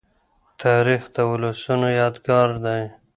تاریخ د ولسونو یادګار دی.